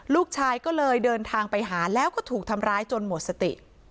ลูกชายก็เลยเดินทางไปหาแล้วก็ถูกทำร้ายจนหมดสติ